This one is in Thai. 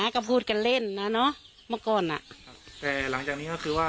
ก็พูดกันเล่นนะเนอะเมื่อก่อนอ่ะครับแต่หลังจากนี้ก็คือว่า